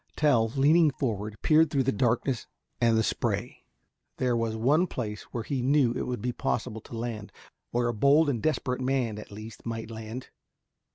Tell, leaning forward, peered through the darkness and the spray. There was one place where he knew it would be possible to land where a bold and desperate man at least might land.